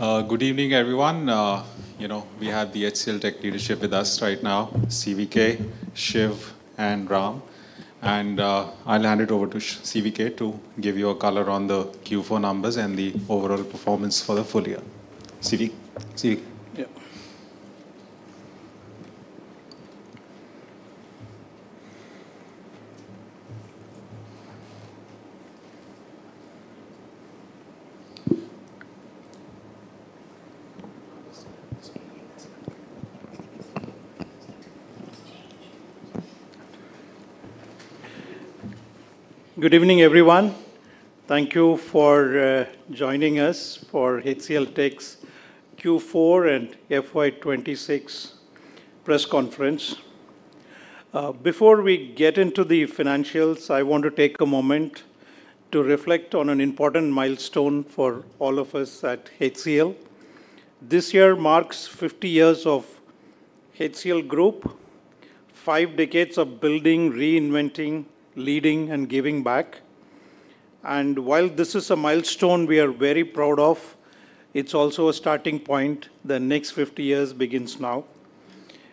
Good evening, everyone. We have the HCLTech leadership with us right now, CVK, Shiv, and Ram. I'll hand it over to CVK to give you a color on the Q4 numbers and the overall performance for the full year. CVK? Yeah. Good evening, everyone. Thank you for joining us for HCLTech's Q4 and FY 2026 press conference. Before we get into the financials, I want to take a moment to reflect on an important milestone for all of us at HCL. This year marks 50 years of HCL Group. Five decades of building, reinventing, leading, and giving back. While this is a milestone we are very proud of, it's also a starting point. The next 50 years begins now.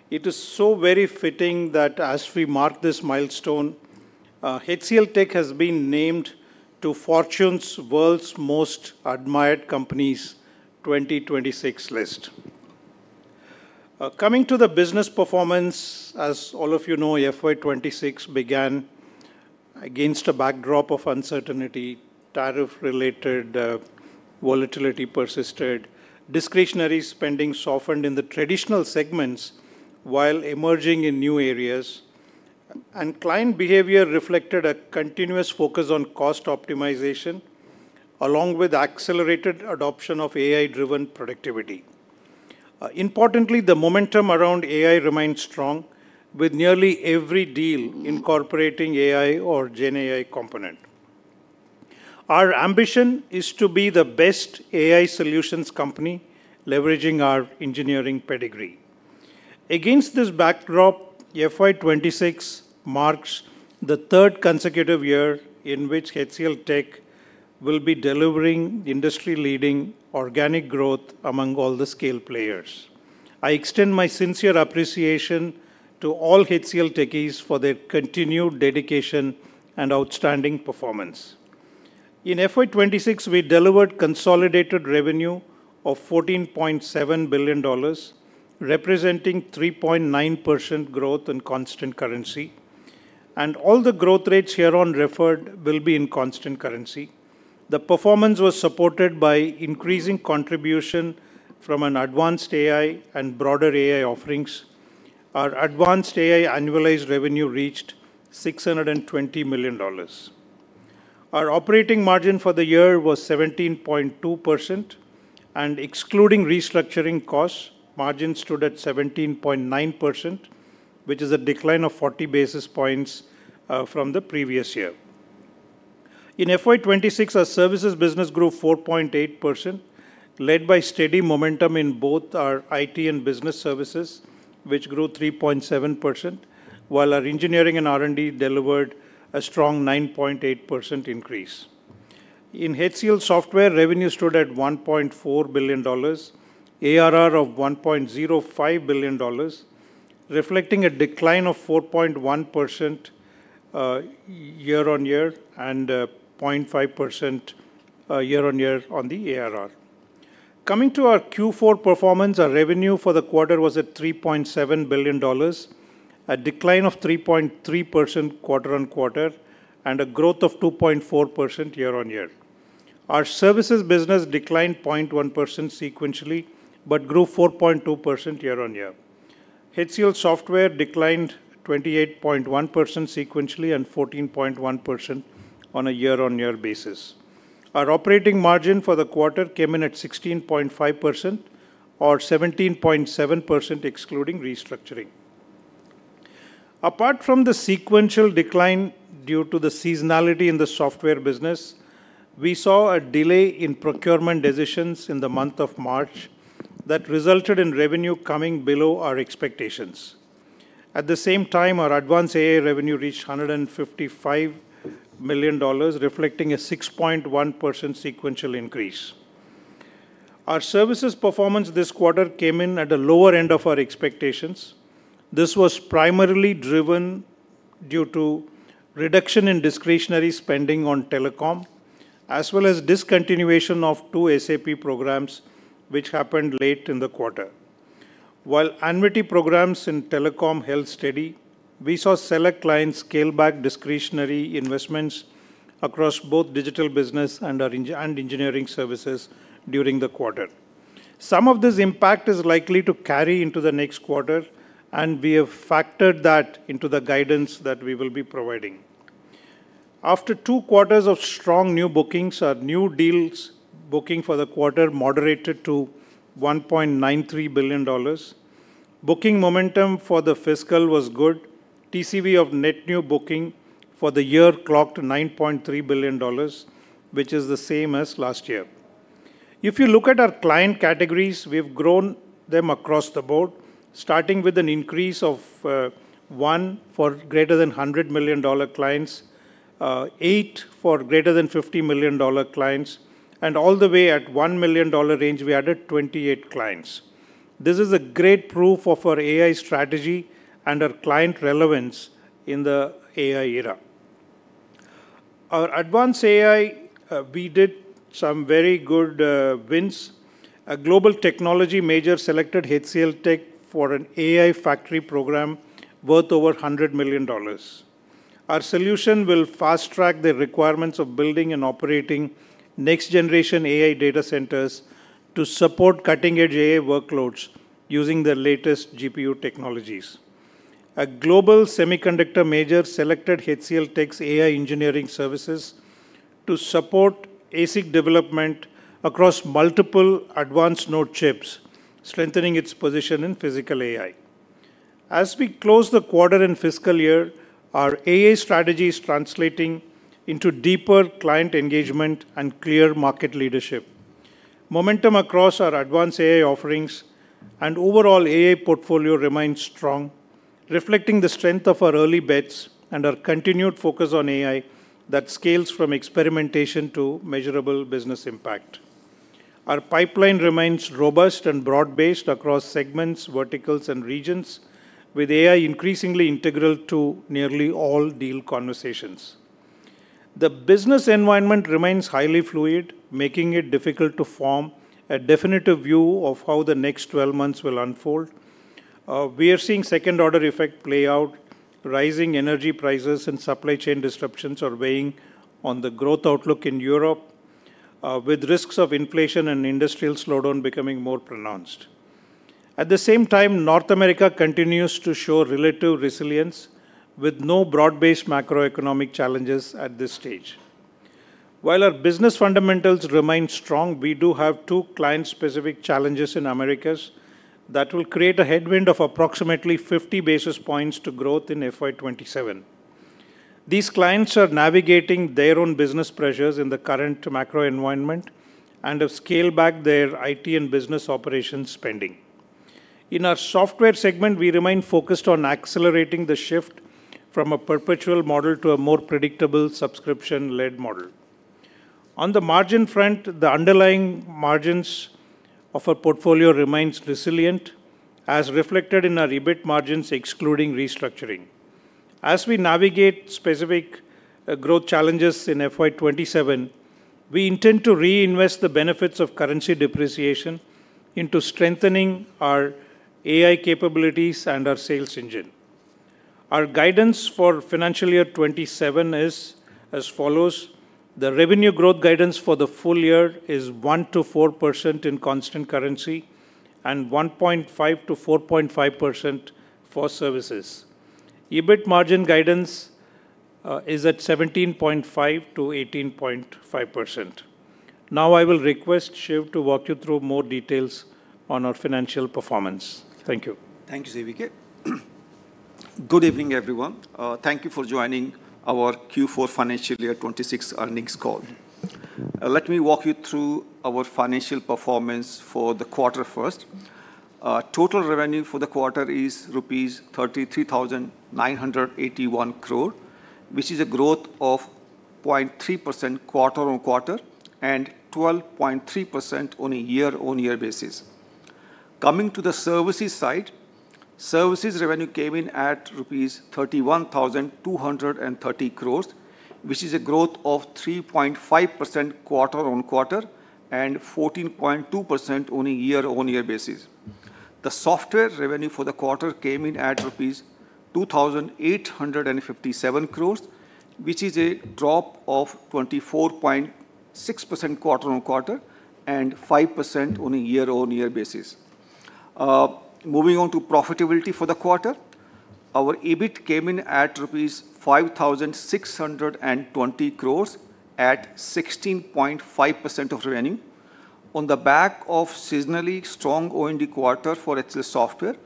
It is so very fitting that as we mark this milestone, HCLTech has been named to Fortune's World's Most Admired Companies 2026 list. Coming to the business performance, as all of you know, FY 2026 began against a backdrop of uncertainty. Tariff-related volatility persisted. Discretionary spending softened in the traditional segments while emerging in new areas. Client behavior reflected a continuous focus on cost optimization, along with accelerated adoption of AI-driven productivity. Importantly, the momentum around AI remains strong, with nearly every deal incorporating AI or GenAI component. Our ambition is to be the best AI solutions company, leveraging our engineering pedigree. Against this backdrop, FY 2026 marks the third consecutive year in which HCLTech will be delivering industry-leading organic growth among all the scale players. I extend my sincere appreciation to all HCLTechies for their continued dedication and outstanding performance. In FY 2026, we delivered consolidated revenue of $14.7 billion, representing 3.9% growth in constant currency. All the growth rates hereinafter referred will be in constant currency. The performance was supported by increasing contribution from Advanced AI and broader AI offerings. Our Advanced AI annualized revenue reached $620 million. Our operating margin for the year was 17.2%, and excluding restructuring costs, margin stood at 17.9%, which is a decline of 40 basis points from the previous year. In FY 2026, our services business grew 4.8%, led by steady momentum in both our IT and Business Services, which grew 3.7%, while our Engineering and R&D Services delivered a strong 9.8% increase. In HCLSoftware, revenue stood at $1.4 billion, ARR of $1.05 billion, reflecting a decline of 4.1% year-on-year and 0.5% year-on-year on the ARR. Coming to our Q4 performance, our revenue for the quarter was at $3.7 billion, a decline of 3.3% quarter-on-quarter, and a growth of 2.4% year-on-year. Our services business declined 0.1% sequentially, but grew 4.2% year-on-year. HCLSoftware declined 28.1% sequentially and 14.1% on a year-on-year basis. Our operating margin for the quarter came in at 16.5%, or 17.7% excluding restructuring. Apart from the sequential decline due to the seasonality in the Software Business, we saw a delay in procurement decisions in the month of March that resulted in revenue coming below our expectations. At the same time, our Advanced AI revenue reached $155 million, reflecting a 6.1% sequential increase. Our services performance this quarter came in at the lower end of our expectations. This was primarily driven due to reduction in discretionary spending on telecom, as well as discontinuation of two SAP programs which happened late in the quarter. While annuity programs in telecom held steady, we saw select clients scale back discretionary investments across both Digital Business and Engineering Services during the quarter. Some of this impact is likely to carry into the next quarter, and we have factored that into the guidance that we will be providing. After two quarters of strong new bookings, our new deals booking for the quarter moderated to $1.93 billion. Booking momentum for the fiscal was good. TCV of net new booking for the year clocked $9.3 billion, which is the same as last year. If you look at our client categories, we've grown them across the board, starting with an increase of one for greater than $100 million clients, eight for greater than $50 million clients, and all the way at $1 million range, we added 28 clients. This is a great proof of our AI strategy and our client relevance in the AI era. Our Advanced AI, we did some very good wins. A global technology major selected HCLTech for an AI Factory program worth over $100 million. Our solution will fast-track the requirements of building and operating next-generation AI data centers to support cutting-edge AI workloads using the latest GPU technologies. A global semiconductor major selected HCLTech's AI engineering services to support ASIC development across multiple advanced node chips, strengthening its position in Physical AI. As we close the quarter and fiscal year, our AI strategy is translating into deeper client engagement and clear market leadership. Momentum across our Advanced AI offerings and overall AI portfolio remains strong, reflecting the strength of our early bets and our continued focus on AI that scales from experimentation to measurable business impact. Our pipeline remains robust and broad-based across segments, verticals, and regions, with AI increasingly integral to nearly all deal conversations. The business environment remains highly fluid, making it difficult to form a definitive view of how the next 12 months will unfold. We are seeing second-order effect play out. Rising energy prices and supply chain disruptions are weighing on the growth outlook in Europe, with risks of inflation and industrial slowdown becoming more pronounced. At the same time, North America continues to show relative resilience, with no broad-based macroeconomic challenges at this stage. While our business fundamentals remain strong, we do have two client-specific challenges in Americas that will create a headwind of approximately 50 basis points to growth in FY 2027. These clients are navigating their own business pressures in the current macro environment and have scaled back their IT and business operations spending. In our software segment, we remain focused on accelerating the shift from a perpetual model to a more predictable subscription-led model. On the margin front, the underlying margins of our portfolio remains resilient, as reflected in our EBIT margins excluding restructuring. As we navigate specific growth challenges in FY 2027, we intend to reinvest the benefits of currency depreciation into strengthening our AI capabilities and our sales engine. Our guidance for financial year 2027 is as follows. The revenue growth guidance for the full year is 1%-4% in constant currency and 1.5%-4.5% for services. EBIT margin guidance is at 17.5%-18.5%. Now I will request Shiv to walk you through more details on our financial performance. Thank you. Thank you, CVK. Good evening, everyone. Thank you for joining our Q4 financial year 2026 earnings call. Let me walk you through our financial performance for the quarter first. Total revenue for the quarter is rupees 33,981 crore, which is a growth of 0.3% quarter-on-quarter and 12.3% on a year-on-year basis. Coming to the services side, services revenue came in at rupees 31,230 crores, which is a growth of 3.5% quarter-on-quarter and 14.2% on a year-on-year basis. The software revenue for the quarter came in at rupees 2,857 crores, which is a drop of 24.6% quarter-on-quarter and 5% on a year-on-year basis. Moving on to profitability for the quarter, our EBIT came in at rupees 5,620 crores at 16.5% of revenue. On the back of seasonally strong O&D quarter for HCLSoftware,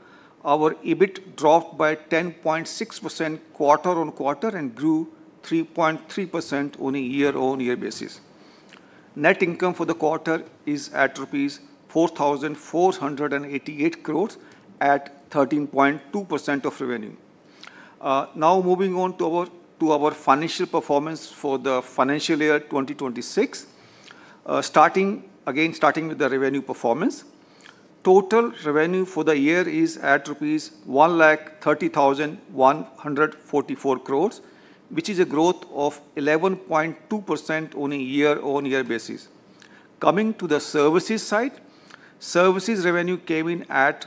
our EBIT dropped by 10.6% quarter-on-quarter and grew 3.3% on a year-on-year basis. Net income for the quarter is at INR 4,488 crores at 13.2% of revenue. Now moving on to our financial performance for the financial year 2026. Again, starting with the revenue performance. Total revenue for the year is at rupees 130,144 crores, which is a growth of 11.2% on a year-on-year basis. Coming to the services side, services revenue came in at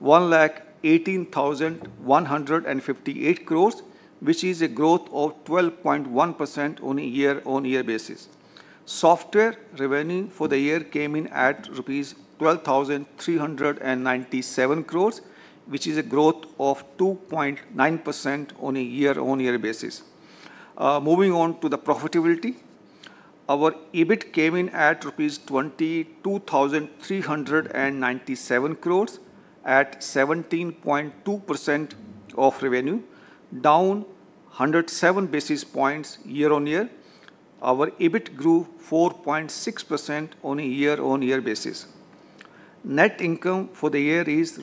rupees 118,158 crores, which is a growth of 12.1% on a year-on-year basis. Software revenue for the year came in at rupees 12,397 crores, which is a growth of 2.9% on a year-on-year basis. Moving on to the profitability. Our EBIT came in at 22,397 crores at 17.2% of revenue, down 107 basis points year-over-year. Our EBIT grew 4.6% on a year-over-year basis. Net income for the year is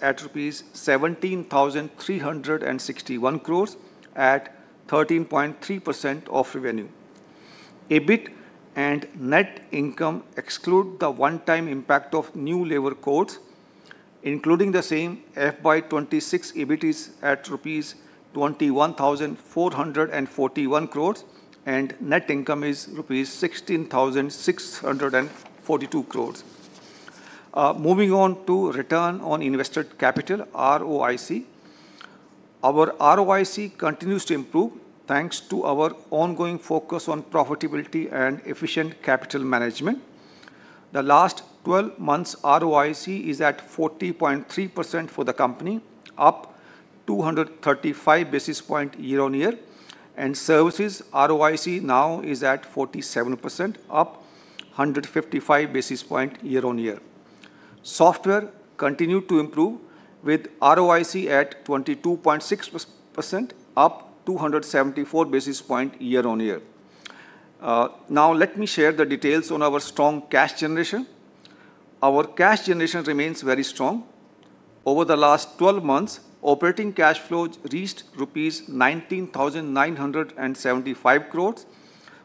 at rupees 17,361 crores at 13.3% of revenue. EBIT and net income exclude the one-time impact of New Labour Codes, including the same FY 2026 EBIT is at rupees 21,441 crores, and net income is rupees 16,642 crores. Moving on to return on invested capital, ROIC. Our ROIC continues to improve thanks to our ongoing focus on profitability and efficient capital management. The last 12 months ROIC is at 40.3% for the company, up 235 basis points year-on-year, and services ROIC now is at 47%, up 155 basis points year-on-year. Software continued to improve, with ROIC at 22.6%, up 274 basis points year-on-year. Now, let me share the details on our strong cash generation. Our cash generation remains very strong. Over the last 12 months, operating cash flow reached 19,975 crores,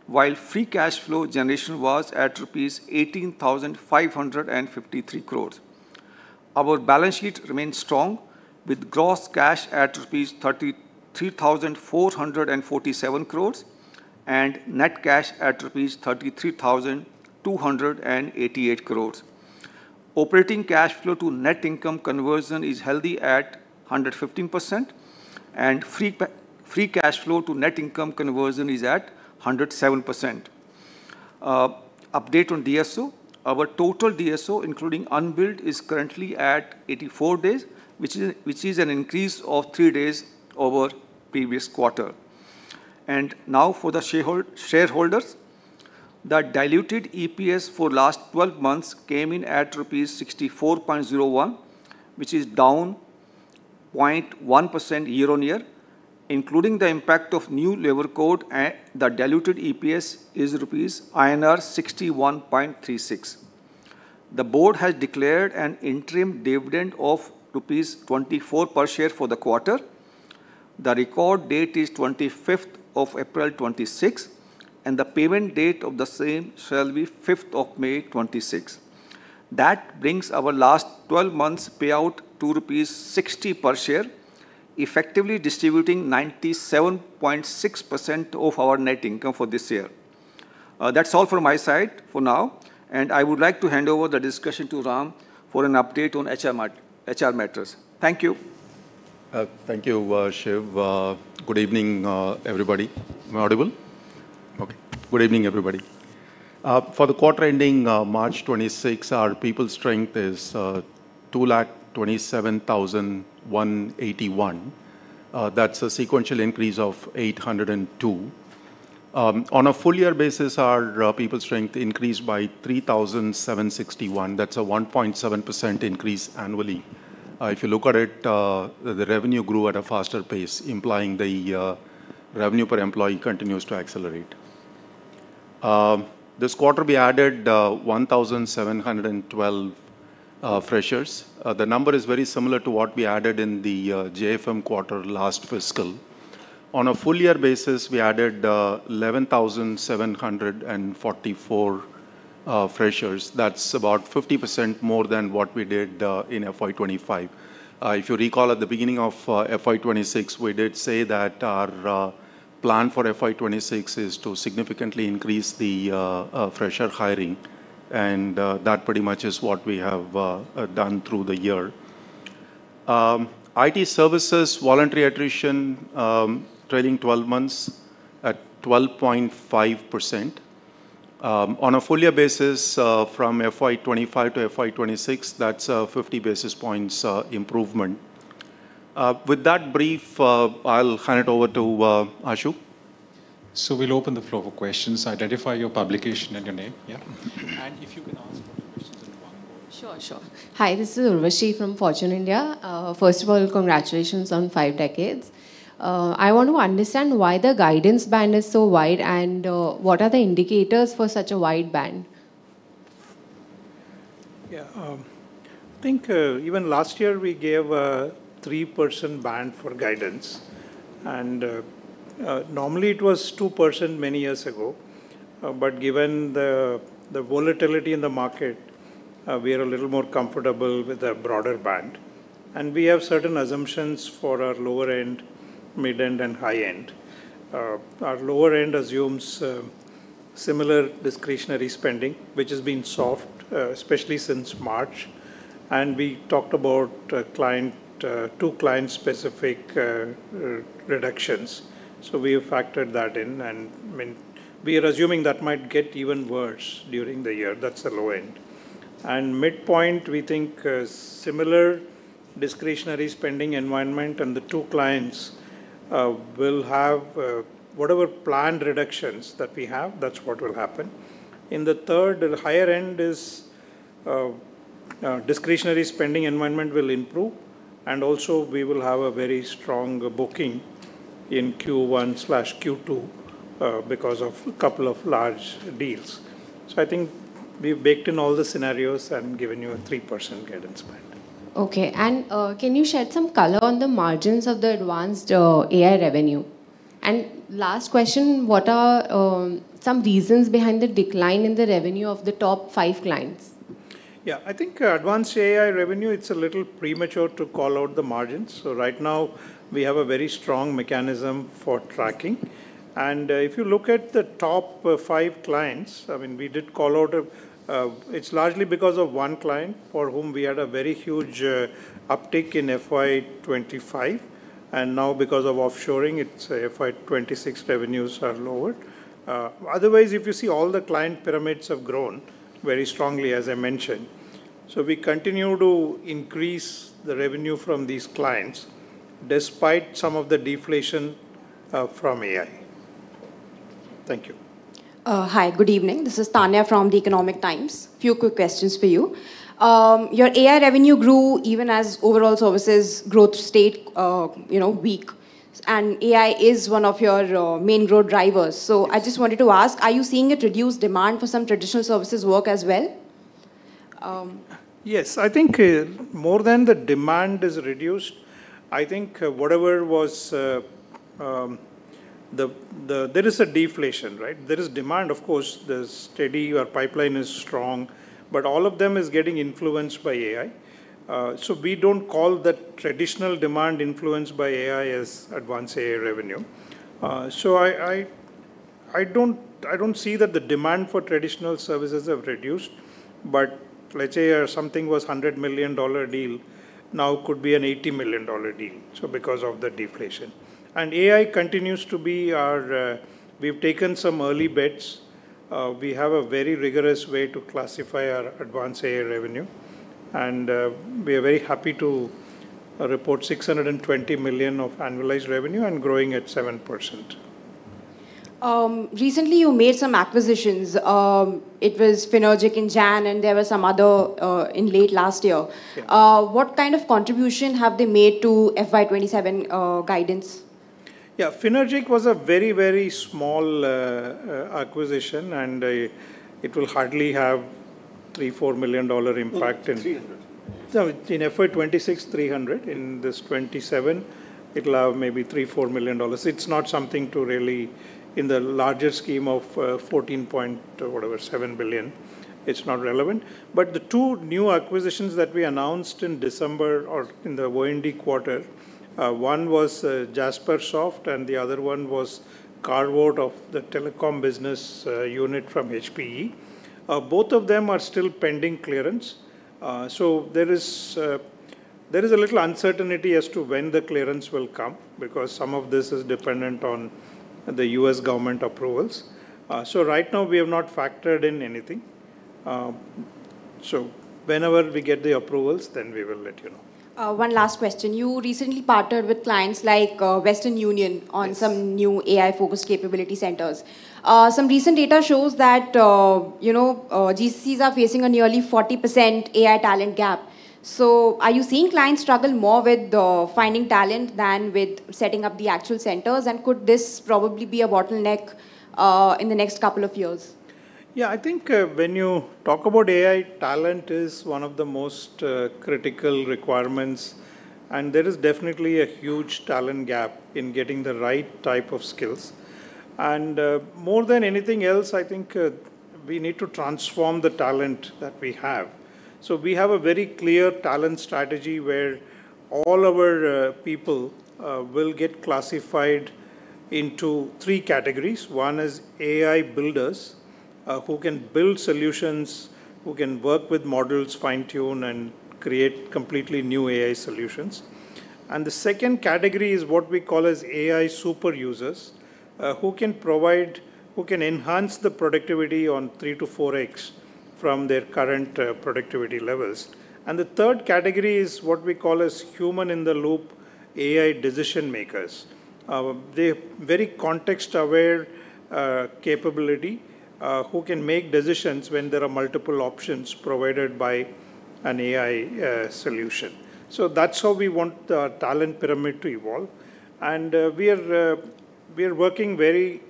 while free cash flow generation was at 18,553 crores. Our balance sheet remains strong, with gross cash at 33,447 crores rupees and net cash at 33,288 crores rupees. Operating cash flow to net income conversion is healthy at 115%, and free cash flow to net income conversion is at 107%. Update on DSO. Our total DSO, including unbilled, is currently at 84 days, which is an increase of three days over previous quarter. Now for the shareholders. The diluted EPS for last 12 months came in at rupees 64.01, which is down 0.1% year-on-year. Including the impact of new labor code, the diluted EPS is rupees 61.36. The board has declared an interim dividend of rupees 24 per share for the quarter. The record date is 25th of April 2026, and the payment date of the same shall be May 5th, 2026. That brings our last 12 months payout to 60 per share, effectively distributing 97.6% of our net income for this year. That's all from my side for now, and I would like to hand over the discussion to Ram for an update on HR matters. Thank you. Thank you, Shiv. Good evening everybody. Am I audible? Okay. Good evening, everybody. For the quarter ending March 26, our people strength is 227,181. That's a sequential increase of 802. On a full year basis, our people strength increased by 3,761. That's a 1.7% increase annually. If you look at it, the revenue grew at a faster pace, implying the revenue per employee continues to accelerate. This quarter we added 1,712 freshers. The number is very similar to what we added in the JFM quarter last fiscal. On a full year basis, we added 11,744 freshers. That's about 50% more than what we did in FY 2025. If you recall, at the beginning of FY 2026, we did say that our plan for FY 2026 is to significantly increase the fresher hiring, and that pretty much is what we have done through the year. IT services voluntary attrition, trailing 12 months at 12.5%. On a full year basis from FY 2025 to FY 2026, that's a 50 basis points improvement. With that brief, I'll hand it over to Ashu. We'll open the floor for questions. Identify your publication and your name. Yeah. If you can ask one question at a time. Sure. Hi, this is Urvashi from Fortune India. First of all, congratulations on five decades. I want to understand why the guidance band is so wide, and what are the indicators for such a wide band? Yeah. I think even last year, we gave a 3% band for guidance, and normally it was 2% many years ago. Given the volatility in the market, we are a little more comfortable with a broader band, and we have certain assumptions for our lower end, mid end, and high end. Our lower end assumes similar discretionary spending, which has been soft, especially since March. We talked about two client-specific reductions. We have factored that in, and we are assuming that might get even worse during the year. That's the low end. Midpoint, we think similar discretionary spending environment and the two clients will have whatever planned reductions that we have, that's what will happen. In the third, the higher end is discretionary spending environment will improve, and also we will have a very strong booking. In Q1/Q2 because of a couple of large deals. I think we've baked in all the scenarios and given you a 3% guidance band. Okay. Can you shed some color on the margins of the Advanced AI revenue? Last question, what are some reasons behind the decline in the revenue of the top five clients? Yeah. I think Advanced AI revenue, it's a little premature to call out the margins. Right now, we have a very strong mechanism for tracking. If you look at the top five clients, we did call out, it's largely because of one client for whom we had a very huge uptake in FY 2025. Now because of offshoring, its FY 2026 revenues are lower. Otherwise, if you see all the client pyramids have grown very strongly as I mentioned. We continue to increase the revenue from these clients despite some of the deflation from AI. Thank you. Hi, good evening. This is Tanya from The Economic Times. Few quick questions for you. Your AI revenue grew even as overall services growth stayed weak, and AI is one of your main growth drivers. I just wanted to ask, are you seeing a reduced demand for some traditional services work as well? Yes. I think more than the demand is reduced, I think there is a deflation. There is demand, of course, steady, your pipeline is strong, but all of them is getting influenced by AI. We don't call that traditional demand influenced by AI as advanced AI revenue. I don't see that the demand for traditional services have reduced, but let's say something was $100 million deal now could be an $80 million deal because of the deflation. AI continues to be our. We've taken some early bets. We have a very rigorous way to classify our advanced AI revenue, and we are very happy to report $620 million of annualized revenue and growing at 7%. Recently, you made some acquisitions. It was Finergic in January, and there were some others in late last year. Yeah. What kind of contribution have they made to FY 2027 guidance? Yeah. Finergic was a very, very small acquisition, and it will hardly have $34 million impact in- No, it's 300. In FY 2026, 300. In FY 2027, it will have maybe $34 million. It is not something to really, in the larger scheme of $14.7 billion, it is not relevant. The two new acquisitions that we announced in December or in the Q4, one was Jaspersoft and the other one was the CTG of the telecom business unit from HPE. Both of them are still pending clearance. There is a little uncertainty as to when the clearance will come because some of this is dependent on the U.S. government approvals. Right now, we have not factored in anything. Whenever we get the approvals, then we will let you know. One last question. You recently partnered with clients like Western Union on Yes Some new AI-focused capability centers. Some recent data shows that GCs are facing a nearly 40% AI talent gap. Are you seeing clients struggle more with finding talent than with setting up the actual centers? Could this probably be a bottleneck in the next couple of years? Yeah. I think when you talk about AI, talent is one of the most critical requirements, and there is definitely a huge talent gap in getting the right type of skills. More than anything else, I think we need to transform the talent that we have. We have a very clear talent strategy where all our people will get classified into three categories. One is AI builders, who can build solutions, who can work with models, fine-tune, and create completely new AI solutions. The second category is what we call as AI super users, who can enhance the productivity on 3x to 4x from their current productivity levels. The third category is what we call as human-in-the-loop AI decision-makers. They have very context-aware capability who can make decisions when there are multiple options provided by an AI solution. That's how we want the talent pyramid to evolve. We are working very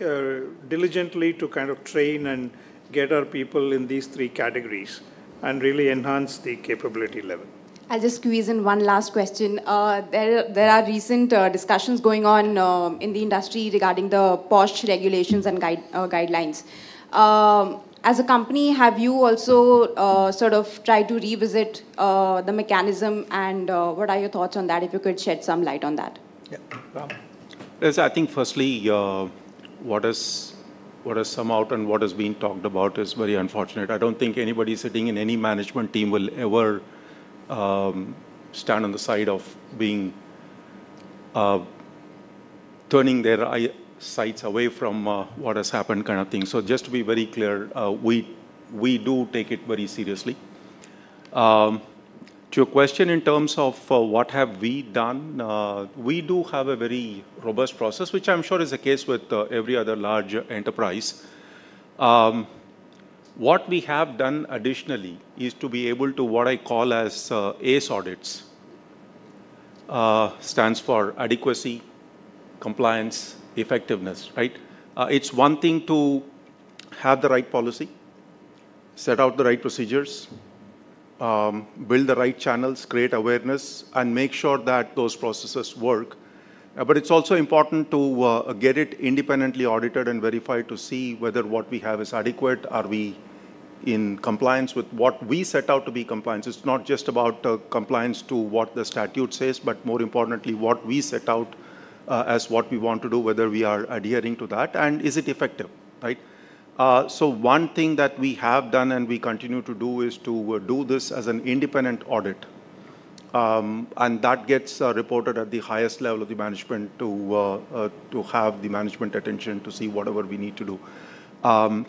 diligently to train and get our people in these three categories and really enhance the capability level. I'll just squeeze in one last question. There are recent discussions going on in the industry regarding the POSH regulations and guidelines. As a company, have you also sort of tried to revisit the mechanism, and what are your thoughts on that if you could shed some light on that? Yeah. Ram. Yes. I think firstly, what has come out and what has been talked about is very unfortunate. I don't think anybody sitting in any management team will ever stand on the side of turning their sights away from what has happened kind of thing. So just to be very clear, we do take it very seriously. To your question in terms of what have we done, we do have a very robust process, which I'm sure is the case with every other large enterprise. What we have done additionally is to be able to what I call as ACE audits. Stands for Adequacy, Compliance, and Effectiveness. It's one thing to have the right policy, set out the right procedures, build the right channels, create awareness, and make sure that those processes work. It's also important to get it independently audited and verified to see whether what we have is adequate. Are we in compliance with what we set out to be compliance? It's not just about compliance to what the statute says, but more importantly, what we set out as what we want to do, whether we are adhering to that, and is it effective. One thing that we have done, and we continue to do, is to do this as an independent audit. That gets reported at the highest level of the management to have the management attention to see whatever we need to do.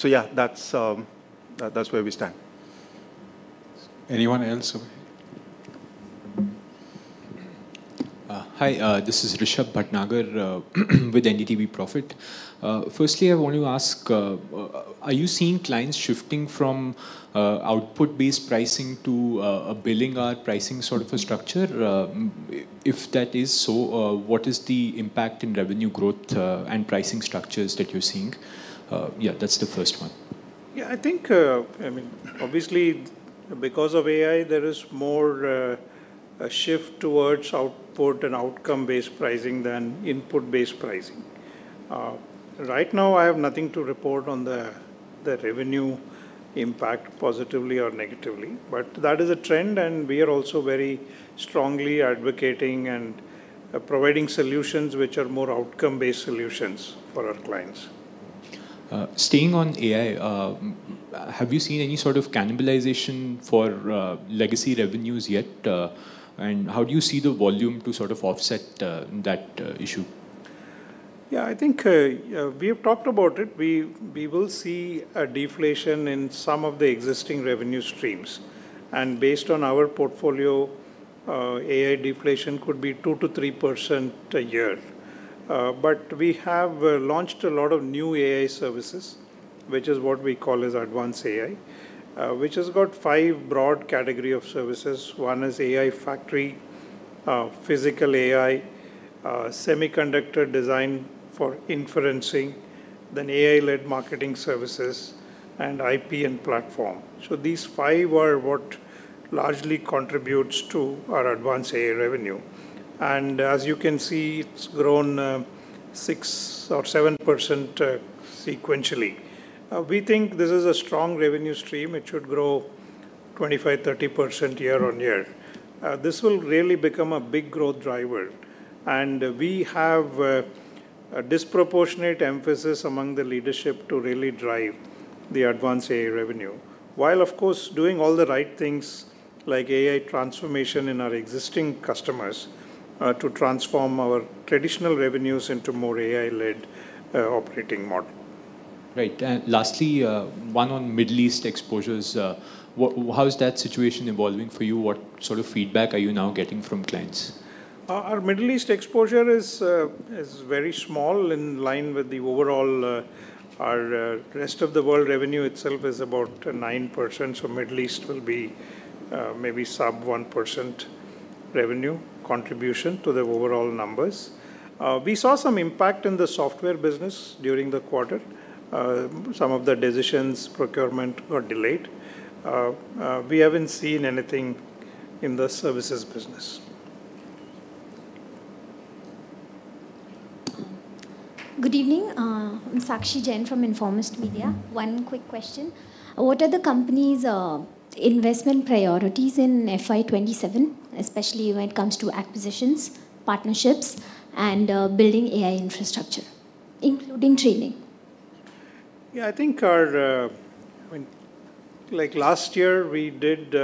Yeah, that's where we stand. Anyone else? Hi, this is Rishabh Bhatnagar with NDTV Profit. Firstly, I want to ask, are you seeing clients shifting from output-based pricing to a build-out pricing sort of a structure? If that is so, what is the impact in revenue growth and pricing structures that you're seeing? Yeah, that's the first one. Yeah, I think, obviously because of AI, there is more a shift towards output and outcome-based pricing than input-based pricing. Right now, I have nothing to report on the revenue impact positively or negatively, but that is a trend, and we are also very strongly advocating and providing solutions which are more outcome-based solutions for our clients. Staying on AI, have you seen any sort of cannibalization for legacy revenues yet? How do you see the volume to sort of offset that issue? Yeah, I think we have talked about it. We will see a deflation in some of the existing revenue streams. Based on our portfolio, AI deflation could be 2%-3% a year. We have launched a lot of new AI services, which is what we call as Advanced AI, which has got five broad category of services. One is AI Factory, Physical AI, semiconductor design for inferencing, then AI-led marketing services, and IP and platform. These five are what largely contributes to our Advanced AI revenue. As you can see, it's grown 6% or 7% sequentially. We think this is a strong revenue stream. It should grow 25%, 30% year-on-year. This will really become a big growth driver. We have a disproportionate emphasis among the leadership to really drive the Advanced AI revenue. While, of course, doing all the right things like AI transformation in our existing customers to transform our traditional revenues into more AI-led operating model. Right. Lastly, one on Middle East exposures. How is that situation evolving for you? What sort of feedback are you now getting from clients? Our Middle East exposure is very small, in line with the overall. Our rest of the world revenue itself is about 9%, so Middle East will be maybe sub 1% revenue contribution to the overall numbers. We saw some impact in the software business during the quarter. Some of the decisions procurement got delayed. We haven't seen anything in the services business. Good evening. I'm Shakshi Jain from Informist Media. One quick question. What are the company's investment priorities in FY 2027, especially when it comes to acquisitions, partnerships, and building AI infrastructure, including training? Yeah, I think last year, we did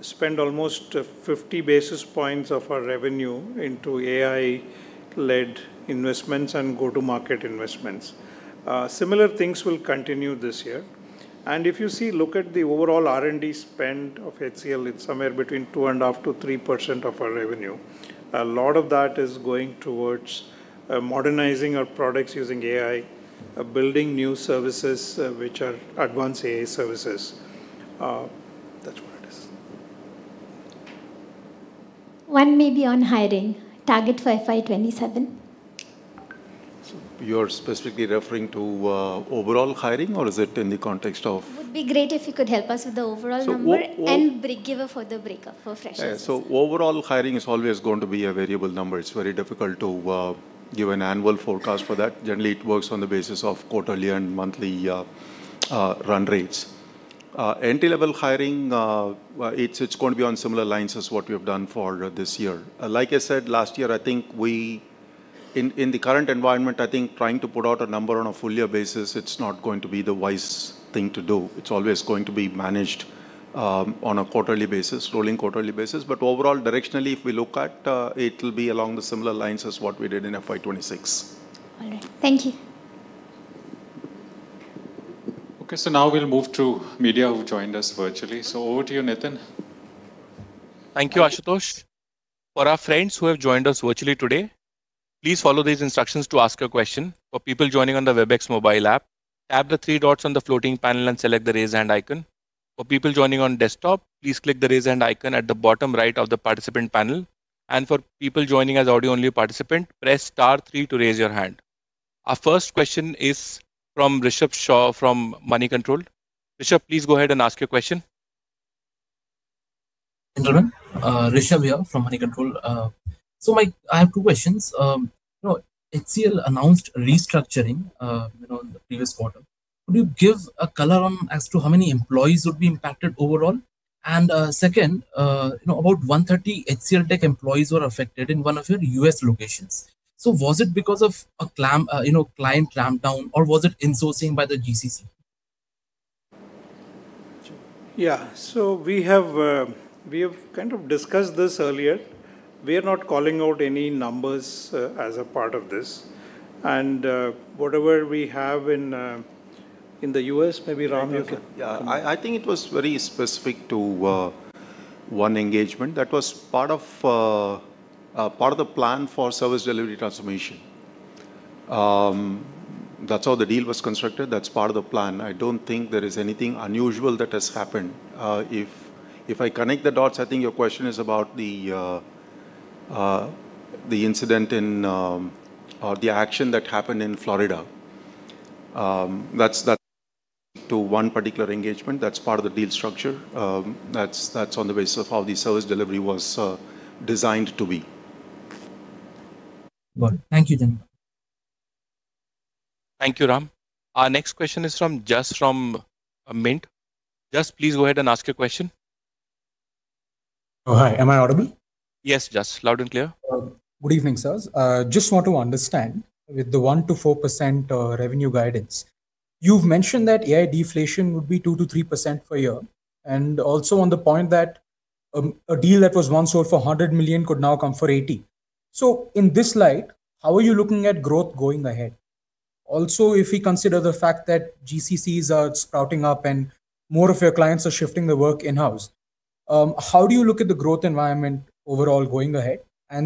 spend almost 50 basis points of our revenue into AI-led investments and go-to-market investments. Similar things will continue this year. If you look at the overall R&D spend of HCL, it's somewhere between 2.5%-3% of our revenue. A lot of that is going towards modernizing our products using AI, building new services which are advanced AI services. That's what it is. One maybe on hiring. Target for FY 2027? You're specifically referring to overall hiring or is it in the context of? Would be great if you could help us with the overall number and give a further breakup for freshers. Overall hiring is always going to be a variable number. It's very difficult to give an annual forecast for that. Generally, it works on the basis of quarterly and monthly run rates. Entry-level hiring, it's going to be on similar lines as what we have done for this year. Like I said, last year, I think in the current environment, I think trying to put out a number on a full year basis, it's not going to be the wise thing to do. It's always going to be managed on a quarterly basis, rolling quarterly basis. Overall, directionally, if we look at, it'll be along the similar lines as what we did in FY 2026. All right. Thank you. Okay, now we'll move to media who joined us virtually. Over to you, Nitin. Thank you, Ashutosh. For our friends who have joined us virtually today, please follow these instructions to ask a question. For people joining on the Webex mobile app, tap the three dots on the floating panel and select the raise hand icon. For people joining on desktop, please click the raise hand icon at the bottom right of the participant panel. For people joining as audio only participant, press star three to raise your hand. Our first question is from Rishabh Shah from Moneycontrol. Rishabh, please go ahead and ask your question. Gentlemen, Rishabh here from Moneycontrol. I have two questions. HCL announced restructuring in the previous quarter. Could you give a color as to how many employees would be impacted overall? And second, about 130 HCLTech employees were affected in one of your U.S. locations. Was it because of a client clampdown or was it insourcing by the GCC? Yeah. We have kind of discussed this earlier. We are not calling out any numbers as a part of this. Whatever we have in the U.S., maybe Ram, you can- Yeah. I think it was very specific to one engagement that was part of the plan for service delivery transformation. That's how the deal was constructed. That's part of the plan. I don't think there is anything unusual that has happened. If I connect the dots, I think your question is about the incident in or the action that happened in Florida. That's to one particular engagement. That's part of the deal structure. That's on the basis of how the service delivery was designed to be. Got it. Thank you then. Thank you, Ram. Our next question is from Jas from Mint. Jas, please go ahead and ask your question. Oh, hi. Am I audible? Yes, Jas. Loud and clear. Good evening, sirs. Just want to understand with the 1%-4% revenue guidance, you've mentioned that AI deflation would be 2%-3% per year, and also on the point that a deal that was once sold for $100 million could now come for $80 million. In this light, how are you looking at growth going ahead? Also, if we consider the fact that GCCs are sprouting up and more of your clients are shifting the work in-house, how do you look at the growth environment overall going ahead?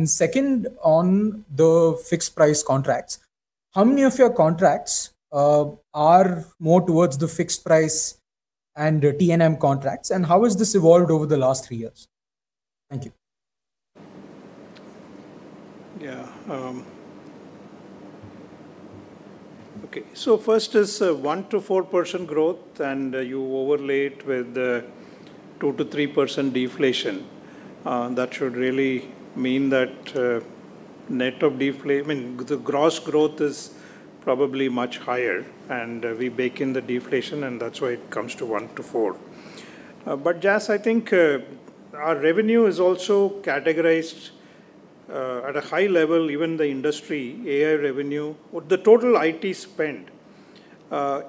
Second, on the fixed price contracts, how many of your contracts are more towards the fixed price and T&M contracts, and how has this evolved over the last three years? Thank you. Yeah. Okay. First is 1%-4% growth, and you overlay it with 2%-3% deflation. That should really mean that the gross growth is probably much higher, and we bake in the deflation, and that's why it comes to 1%-4%. Jas, I think our revenue is also categorized at a high level, even the industry, AI revenue, or the total IT spend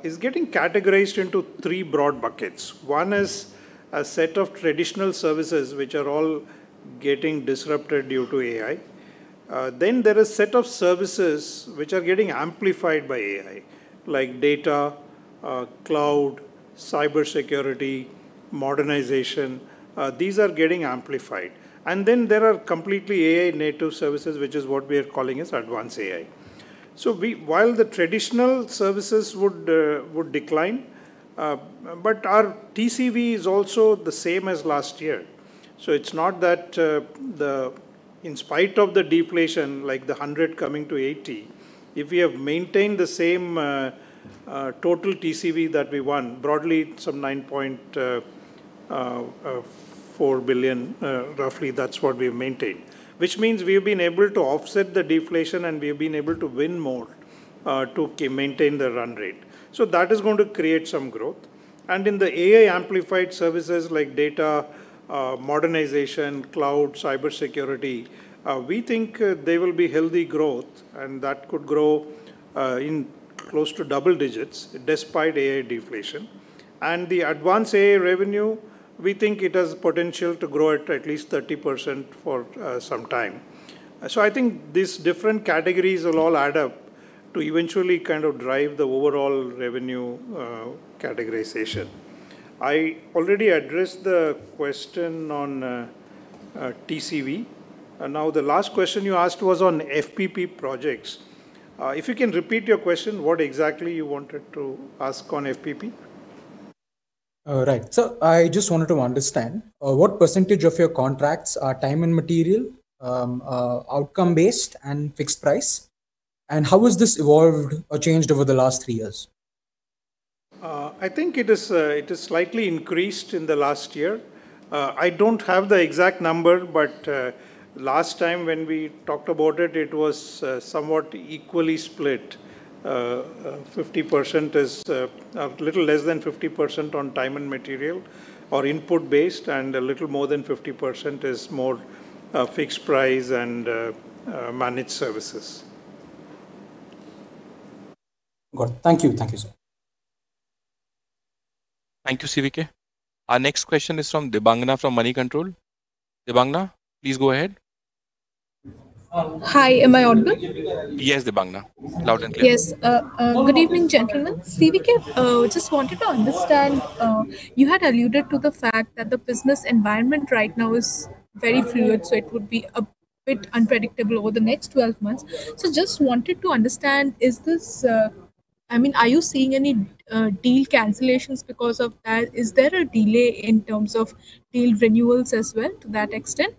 is getting categorized into three broad buckets. One is a set of traditional services which are all getting disrupted due to AI. Then there is set of services which are getting amplified by AI, like data, cloud, cybersecurity, modernization. These are getting amplified. Then there are completely AI native services, which is what we are calling as Advanced AI. While the traditional services would decline, our TCV is also the same as last year. It's not that in spite of the deflation, like the 100 coming to 80, if we have maintained the same total TCV that we won, broadly some $9.4 billion, roughly, that's what we've maintained. Which means we've been able to offset the deflation and we've been able to win more to maintain the run rate. That is going to create some growth. In the AI amplified services like data, modernization, cloud, cybersecurity, we think there will be healthy growth and that could grow in close to double digits despite AI deflation. The advanced AI revenue, we think it has potential to grow at least 30% for some time. I think these different categories will all add up to eventually drive the overall revenue categorization. I already addressed the question on TCV. Now, the last question you asked was on FPP projects. If you can repeat your question, what exactly you wanted to ask on FPP? Right. I just wanted to understand, what percentage of your contracts are time and material, outcome-based and fixed price, and how has this evolved or changed over the last three years? I think it has slightly increased in the last year. I don't have the exact number, but last time when we talked about it was somewhat equally split. A little less than 50% on time and material or input-based, and a little more than 50% is more fixed price and managed services. Got it. Thank you. Thank you, sir. Thank you, CVK. Our next question is from Debangana from Moneycontrol. Debangana, please go ahead. Hi. Am I audible? Yes, Debangana. Loud and clear. Yes. Good evening, gentlemen. CVK, just wanted to understand, you had alluded to the fact that the business environment right now is very fluid, so it would be a bit unpredictable over the next 12 months. Just wanted to understand, are you seeing any deal cancellations because of that? Is there a delay in terms of deal renewals as well to that extent?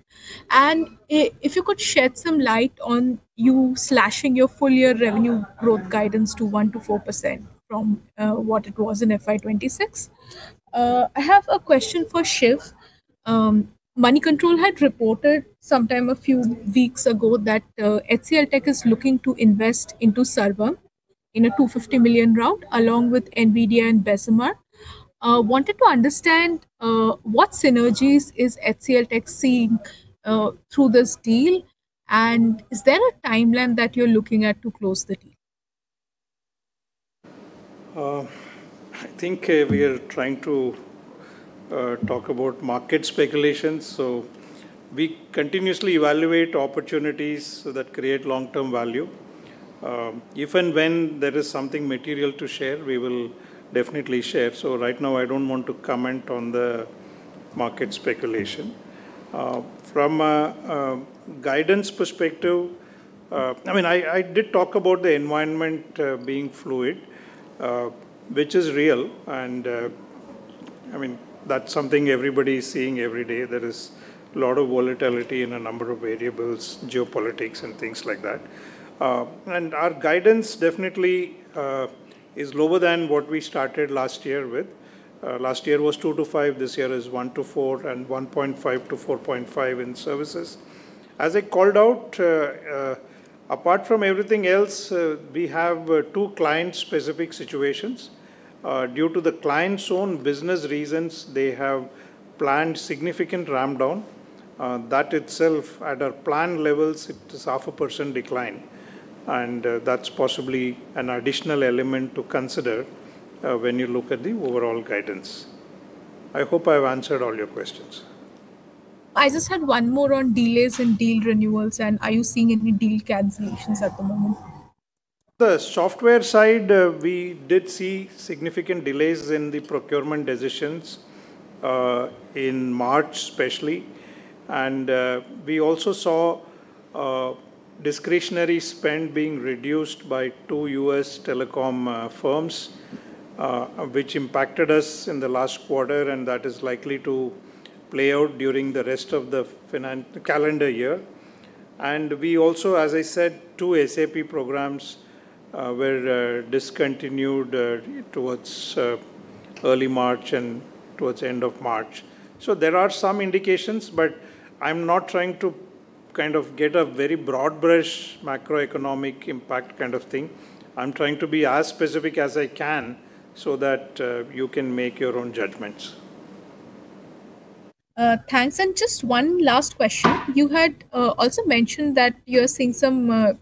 If you could shed some light on you slashing your full year revenue growth guidance to 1%-4% from what it was in FY 2026. I have a question for Shiv. Moneycontrol had reported sometime a few weeks ago that HCLTech is looking to invest into Sarvam in a $250 million round, along with Nvidia and Bessemer. Wanted to understand what synergies is HCLTech seeing through this deal, and is there a timeline that you're looking at to close the deal? I think we are trying to talk about market speculation. We continuously evaluate opportunities that create long-term value. If and when there is something material to share, we will definitely share. Right now I don't want to comment on the market speculation. From a guidance perspective, I did talk about the environment being fluid, which is real, and that's something everybody is seeing every day. There is a lot of volatility in a number of variables, geopolitics and things like that. Our guidance definitely is lower than what we started last year with. Last year was 2%-5%, this year is 1%-4%, and 1.5%-4.5% in services. As I called out, apart from everything else, we have two client-specific situations. Due to the client's own business reasons, they have planned significant ramp down. That itself, at our planned levels, it is 0.5% decline, and that's possibly an additional element to consider when you look at the overall guidance. I hope I've answered all your questions. I just had one more on delays in deal renewals. Are you seeing any deal cancellations at the moment? The software side, we did see significant delays in the procurement decisions, in March especially. We also saw discretionary spend being reduced by two U.S. telecom firms, which impacted us in the last quarter, and that is likely to play out during the rest of the calendar year. We also, as I said, two SAP programs were discontinued towards early March and towards the end of March. There are some indications, but I'm not trying to get a very broad brush macroeconomic impact kind of thing. I'm trying to be as specific as I can so that you can make your own judgments. Thanks. Just one last question. You had also mentioned that you're seeing some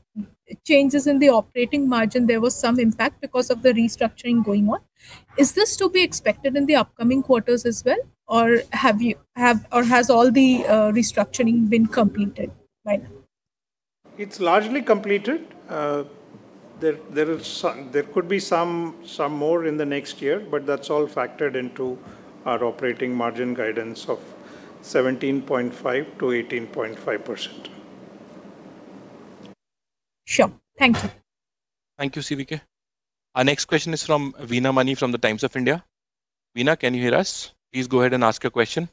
changes in the operating margin. There was some impact because of the restructuring going on. Is this to be expected in the upcoming quarters as well, or has all the restructuring been completed by now? It's largely completed. There could be some more in the next year, but that's all factored into our operating margin guidance of 17.5%-18.5%. Sure. Thank you. Thank you, CVK. Our next question is from Veena Mani, from The Times of India. Veena, can you hear us? Please go ahead and ask your question.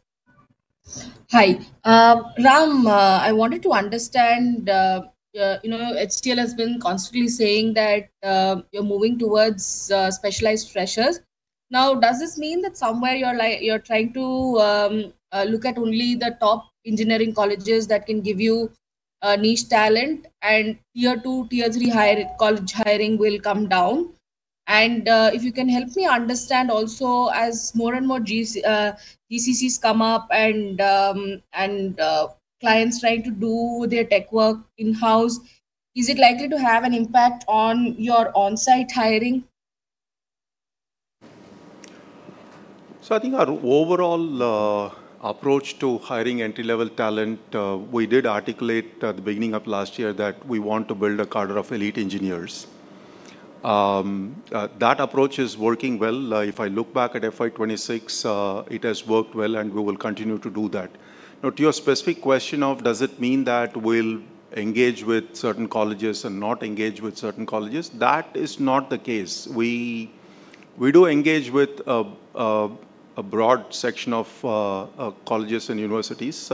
Hi. Ram, I wanted to understand, HCL has been constantly saying that you're moving towards specialized freshers. Now, does this mean that somewhere you're trying to look at only the top engineering colleges that can give you niche talent and Tier 2, Tier 3 college hiring will come down? If you can help me understand also, as more and more GCCs come up and clients try to do their tech work in-house, is it likely to have an impact on your onsite hiring? I think our overall approach to hiring entry-level talent, we did articulate at the beginning of last year that we want to build a cadre of elite engineers. That approach is working well. If I look back at FY 2026, it has worked well, and we will continue to do that. Now, to your specific question of does it mean that we'll engage with certain colleges and not engage with certain colleges, that is not the case. We do engage with a broad section of colleges and universities,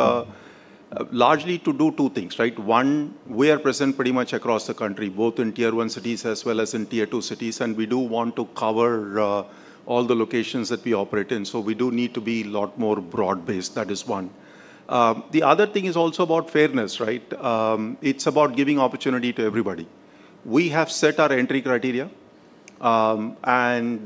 largely to do two things, right? One, we are present pretty much across the country, both in Tier 1 cities as well as in Tier 2 cities. We do want to cover all the locations that we operate in. We do need to be a lot more broad-based. That is one. The other thing is also about fairness, right? It's about giving opportunity to everybody. We have set our entry criteria, and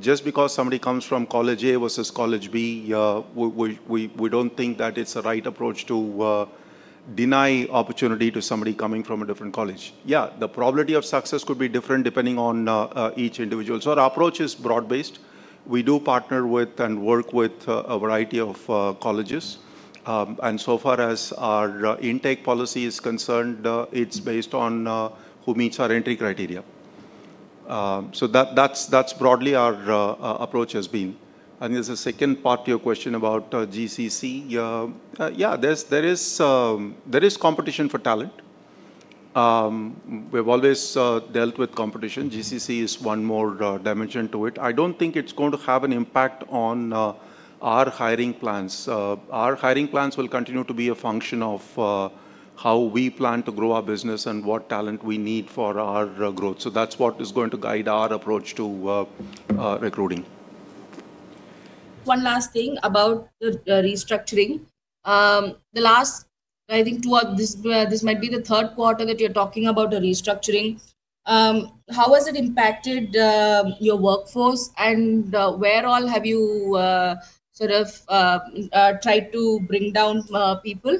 just because somebody comes from college A versus college B, we don't think that it's the right approach to deny opportunity to somebody coming from a different college. Yeah, the probability of success could be different depending on each individual. Our approach is broad-based. We do partner with and work with a variety of colleges, and so far as our intake policy is concerned, it's based on who meets our entry criteria. That's broadly our approach has been. There's a second part to your question about GCC. Yeah, there is competition for talent. We've always dealt with competition. GCC is one more dimension to it. I don't think it's going to have an impact on our hiring plans. Our hiring plans will continue to be a function of how we plan to grow our business and what talent we need for our growth. That's what is going to guide our approach to recruiting. One last thing about the restructuring. This might be the third quarter that you're talking about the restructuring. How has it impacted your workforce, and where all have you sort of tried to bring down people?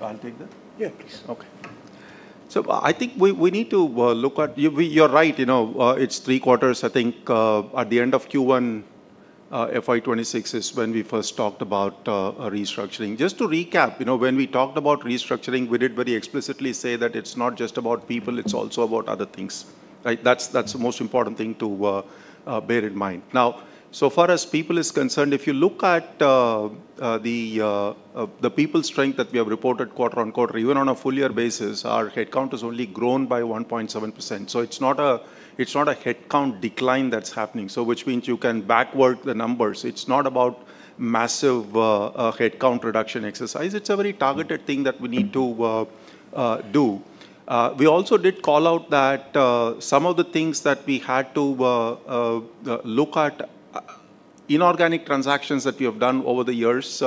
Can I take that? Yeah, please. You're right, it's three quarters, I think, at the end of Q1, FY 2026 is when we first talked about restructuring. Just to recap, when we talked about restructuring, we did very explicitly say that it's not just about people, it's also about other things, right? That's the most important thing to bear in mind. Now, so far as people is concerned, if you look at the people strength that we have reported quarter-on-quarter, even on a full year basis, our headcount has only grown by 1.7%. It's not a headcount decline that's happening. Which means you can back into the numbers. It's not about massive headcount reduction exercise. It's a very targeted thing that we need to do. We also did call out that some of the things that we had to look at, inorganic transactions that we have done over the years.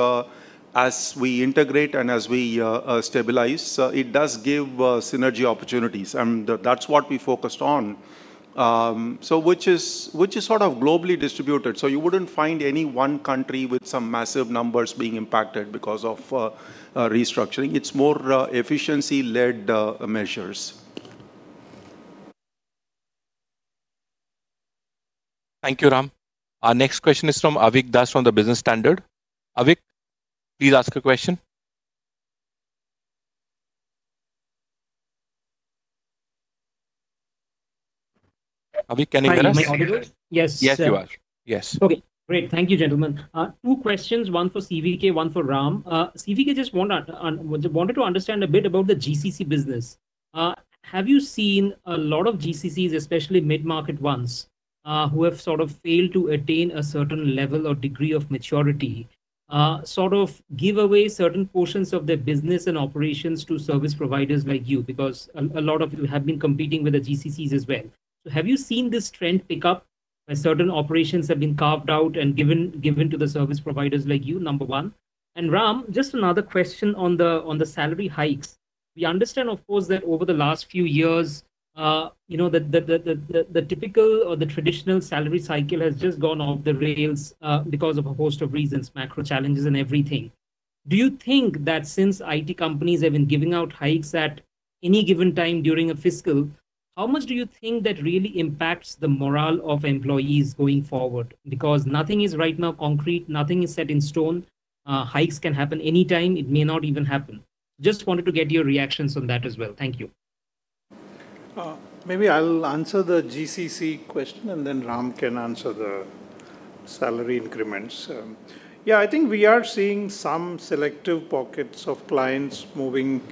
As we integrate and as we stabilize, it does give synergy opportunities, and that's what we focused on. Which is sort of globally distributed. You wouldn't find any one country with some massive numbers being impacted because of restructuring. It's more efficiency-led measures. Thank you, Ram. Our next question is from Avik Das from Business Standard. Avik, please ask a question. Avik, can you hear us? Am I audible? Yes. Yes, you are. Yes. Okay, great. Thank you, gentlemen. Two questions, one for CVK, one for Ram. CVK, just wanted to understand a bit about the GCC business. Have you seen a lot of GCCs, especially mid-market ones, who have sort of failed to attain a certain level or degree of maturity, sort of give away certain portions of their business and operations to service providers like you? Because a lot of you have been competing with the GCCs as well. Have you seen this trend pick up where certain operations have been carved out and given to the service providers like you? Number one. Ram, just another question on the salary hikes. We understand, of course, that over the last few years the typical or the traditional salary cycle has just gone off the rails, because of a host of reasons, macro challenges and everything. Do you think that since IT companies have been giving out hikes at any given time during a fiscal, how much do you think that really impacts the morale of employees going forward? Because nothing is right now concrete, nothing is set in stone. Hikes can happen anytime. It may not even happen. Just wanted to get your reactions on that as well. Thank you. Maybe I'll answer the GCC question and then Ram can answer the salary increments. Yeah, I think we are seeing some selective pockets of clients moving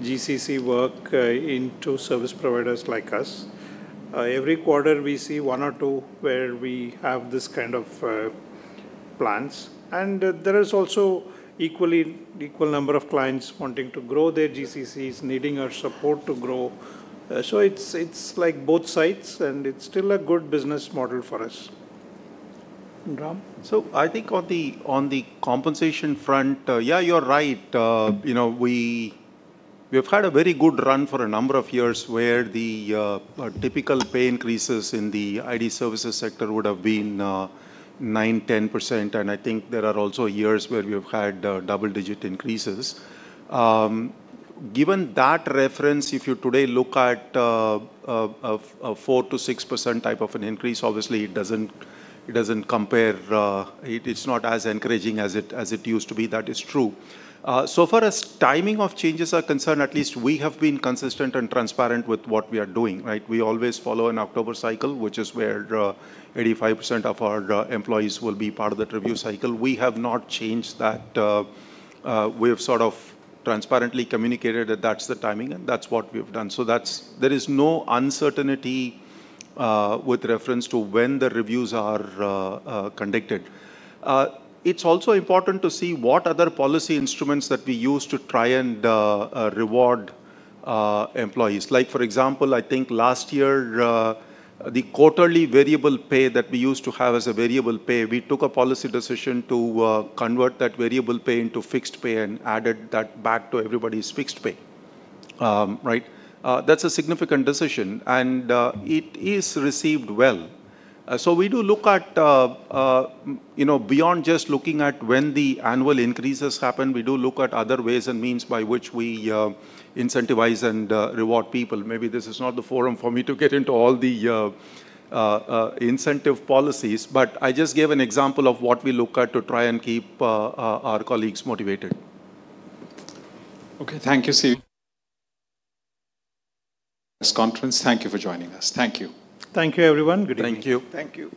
GCC work into service providers like us. Every quarter we see one or two where we have this kind of plans. There is also equal number of clients wanting to grow their GCCs, needing our support to grow. It's like both sides, and it's still a good business model for us. Ram? I think on the compensation front, yeah, you're right. We've had a very good run for a number of years where the typical pay increases in the IT services sector would have been 9%-10%, and I think there are also years where we have had double-digit increases. Given that reference, if you today look at a 4%-6% type of an increase, obviously it doesn't compare. It's not as encouraging as it used to be. That is true. Far as timing of changes are concerned, at least we have been consistent and transparent with what we are doing, right? We always follow an October cycle, which is where 85% of our employees will be part of the review cycle. We have not changed that. We have sort of transparently communicated that that's the timing, and that's what we've done. There is no uncertainty with reference to when the reviews are conducted. It's also important to see what other policy instruments that we use to try and reward employees. Like for example, I think last year, the quarterly variable pay that we used to have as a variable pay, we took a policy decision to convert that variable pay into fixed pay and added that back to everybody's fixed pay. Right? That's a significant decision, and it is received well. We do look at, beyond just looking at when the annual increases happen, we do look at other ways and means by which we incentivize and reward people. Maybe this is not the forum for me to get into all the incentive policies, but I just gave an example of what we look at to try and keep our colleagues motivated. Okay. Thank you, CVK. That concludes the conference. Thank you for joining us. Thank you. Thank you, everyone. Good evening. Thank you. Thank you.